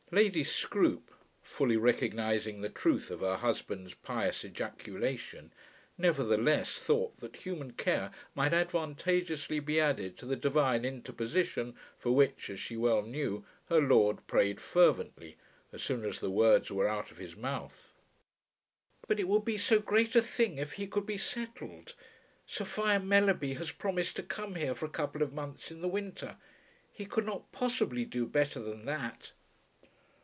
Lady Scroope, fully recognizing the truth of her husband's pious ejaculation, nevertheless thought that human care might advantageously be added to the divine interposition for which, as she well knew, her lord prayed fervently as soon as the words were out of his mouth. "But it would be so great a thing if he could be settled. Sophia Mellerby has promised to come here for a couple of months in the winter. He could not possibly do better than that."